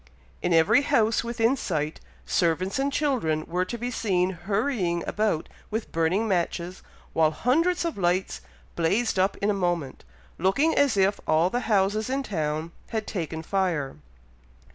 In every house within sight, servants and children were to be seen hurrying about with burning matches, while hundreds of lights blazed up in a moment, looking as if all the houses in town had taken fire.